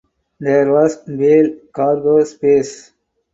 There was (bale) cargo space.